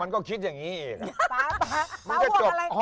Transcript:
มันก็คิดอย่างนี้เอง